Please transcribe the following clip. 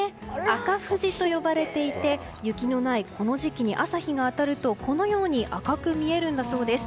赤富士と呼ばれていて雪のないこの時期に朝日が当たると、このように赤く見えるんだそうです。